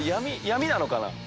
闇なのかな。